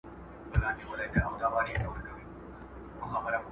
موږ باید د اوبو په کارولو کې له پوره احتیاط څخه کار واخلو.